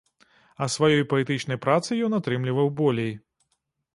А сваёй паэтычнай працы ён атрымліваў болей.